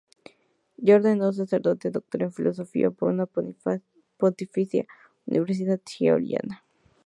Ya ordenado sacerdote, doctor en Filosofía por la Pontificia Universidad Gregoriana.